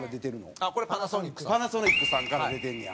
蛍原：パナソニックさんから出てんねや。